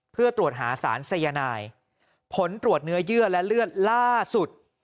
เพื่อตรวจหาสารสายนายผลตรวจเนื้อเยื่อและเลือดล่าสุด